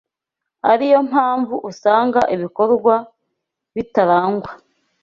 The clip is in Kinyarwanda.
ari yo mpamvu usanga ibikorwa bitarangwa